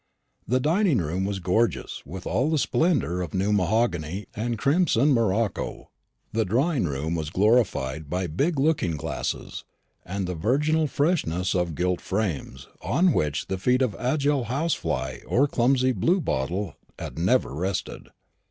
The dining room was gorgeous with all the splendour of new mahogany and crimson morocco; the drawing room was glorified by big looking glasses, and the virginal freshness of gilt frames on which the feet of agile house fly or clumsy blue bottle had never rested.